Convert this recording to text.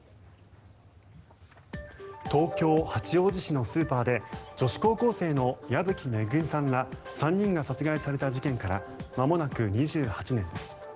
東京・八王子市のスーパーで女子高校生の矢吹恵さんら３人が殺害された事件からまもなく２８年です。